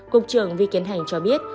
cục trường vi kiến hành cho biết